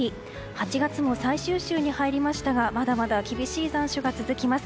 ８月も最終週に入りましたがまだまだ厳しい残暑が続きます。